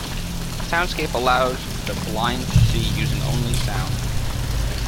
Soundscape allows the blind to see using only sound.